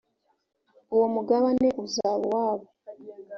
uwo mugabane uzaba uwabo